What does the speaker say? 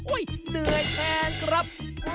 อุ๊ยเหนื่อยแทนครับ